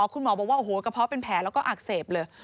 คุณหมอบอกว่าโอ้โหกระเพาะเป็นแผลแล้วก็อักเสบเลย